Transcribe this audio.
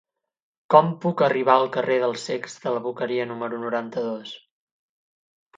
Com puc arribar al carrer dels Cecs de la Boqueria número noranta-dos?